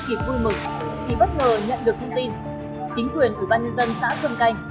kịp vui mực thì bất ngờ nhận được thông tin chính quyền của ban nhân dân xã xuân canh